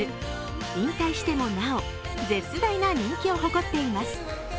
引退してもなお、絶大な人気を誇っています。